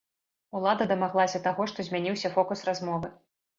Улада дамаглася таго, што змяніўся фокус размовы.